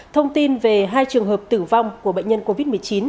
thông tin về hai trường hợp tử vong của bệnh nhân covid một mươi chín